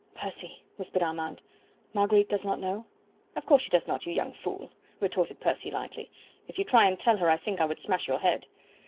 "Percy," whispered Armand, "Marguerite does not know?" "Of course she does not, you young fool," retorted Percy lightly. "If you try and tell her I think I would smash your head."